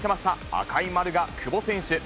赤い丸が久保選手。